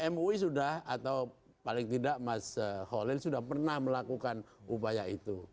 mui sudah atau paling tidak mas holil sudah pernah melakukan upaya itu